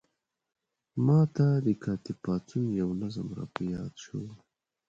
ما ته د کاتب پاڅون یو نظم را په یاد شو.